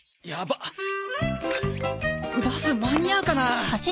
バス間に合うかな！？